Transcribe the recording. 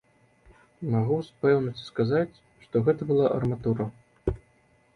Магу з пэўнасці сказаць, што гэта была арматура.